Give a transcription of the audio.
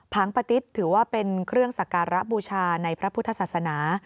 งปะติ๊ดถือว่าเป็นเครื่องสักการะบูชาในพระพุทธศาสนา